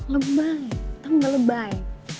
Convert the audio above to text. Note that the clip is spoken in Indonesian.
lebay tau gak lebay